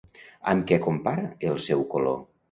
Amb què compara el seu color?